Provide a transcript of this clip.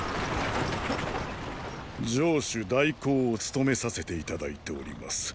城主代行を務めさせて頂いております